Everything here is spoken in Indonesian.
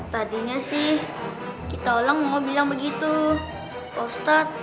tadinya sih kita orang mau bilang begitu pak ustadz